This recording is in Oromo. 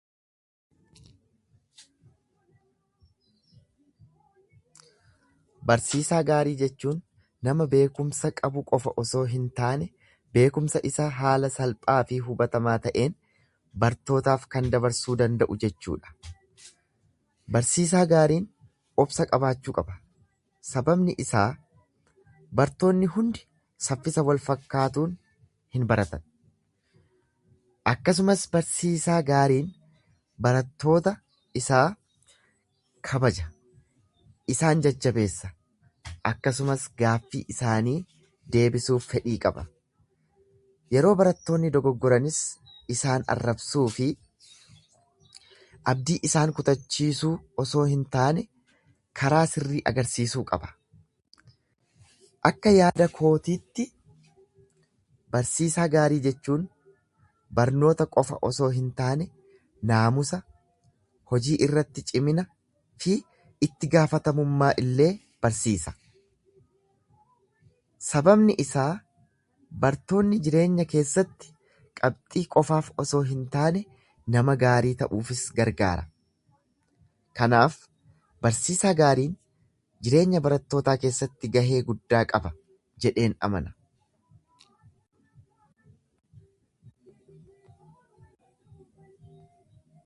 Barsiisaa gaarii jechuun nama beekumsa qabu qofa osoo hin taane, beekumsa isaa haala salphaa fi hubatamaa ta’een barattootaaf kan dabarsuu danda’u jechuu dha. Barsiisaa gaariin obsa qabaachuu qaba, sababni isaa barattoonni hundi saffisa wal fakkaatuun hin baratan. Akkasumas barsiisaa gaariin barattoota isaa kabaja, isaan jajjabeessa, akkasumas gaaffii isaanii deebisuuf fedhii qaba. Yeroo barattoonni dogoggoranis isaan arrabsuu fi abdii isaan kutachiisuu osoo hin taane, karaa sirrii agarsiisuu qaba. Akka yaada kootiitti barsiisaa gaarii jechuun barnoota qofa osoo hin taane naamusa, hojii irratti cimina, fi itti gaafatamummaa illee barsiisa. Sababni isaa barnoonni jireenya keessatti qabxii qofaaf osoo hin taane nama gaarii ta’uufis gargaara. Kanaaf barsiisaa gaariin jireenya barattootaa keessatti gahee guddaa qaba jedheen amana.